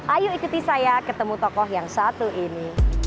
ayo ikuti saya ketemu tokoh yang satu ini